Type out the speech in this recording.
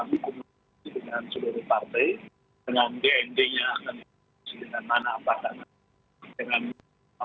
hubungan dengan dnd nya